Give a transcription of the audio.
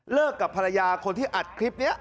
กับภรรยาคนที่อัดคลิปนี้